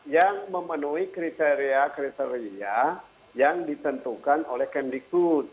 yang memenuhi kriteria kriteria yang ditentukan oleh kemdikbud